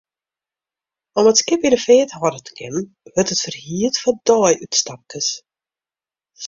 Om it skip yn 'e feart hâlde te kinnen, wurdt it ferhierd foar deiútstapkes.